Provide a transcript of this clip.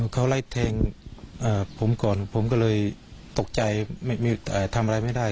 เขาไล่แทงผมก่อนผมก็เลยตกใจทำอะไรไม่ได้